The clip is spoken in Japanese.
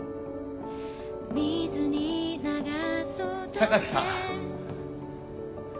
榊さん。